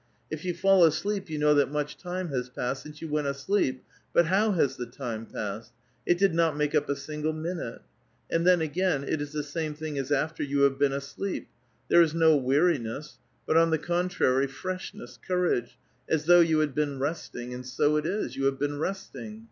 If you fall asleep, you know that much time has passed since you went asleep; but how has the time passed? It did not make up a single minute. And then, again, it is the same thing as after you have been asll^ep : there is no weariness, "but, on the contrary, freshness, courage, as though you had been resting ; and so it is : you have been resting.